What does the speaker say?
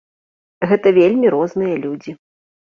Гэта вельмі розныя людзі.